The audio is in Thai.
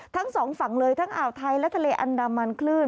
ทั้งสองฝั่งเลยทั้งอ่าวไทยและทะเลอันดามันคลื่น